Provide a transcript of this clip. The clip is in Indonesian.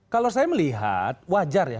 kalau saya melihat wajar ya